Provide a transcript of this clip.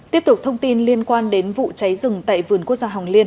tiếp tục thông tin liên quan đến vụ cháy rừng tại vườn quốc gia hồng liên